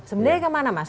sebenarnya kemana mas